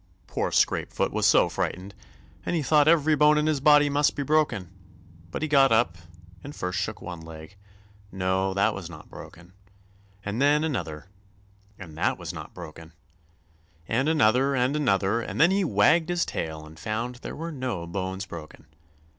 Poor Scrapefoot was so frightened, and he thought every bone in his body must be broken. But he got up and first shook one leg—no, that was not broken; and then another, and that was not broken; and another and another, and then he wagged his tail and found there were no bones broken.